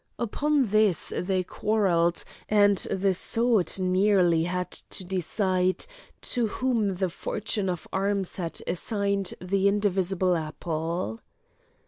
Upon this they quarrelled, and the sword nearly had to decide to whom the fortune of arms had assigned the indivisible apple.